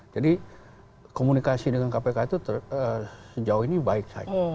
jadi komunikasi dengan kpk itu sejauh ini baik saja